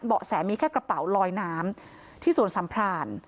บอกแสมีแค่กระเป๋าล็อยน้ำที่ศวรรษสัมพราณ